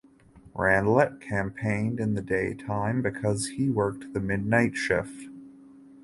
Randlett campaigned in the daytime because he worked the midnight shift.